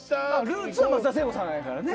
ルーツは松田聖子さんやからね。